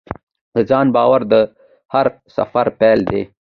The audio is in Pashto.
د ځان باور د هر سفر پیل دی.